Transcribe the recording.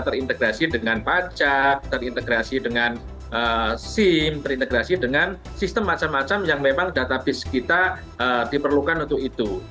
terintegrasi dengan pajak terintegrasi dengan sim terintegrasi dengan sistem macam macam yang memang database kita diperlukan untuk itu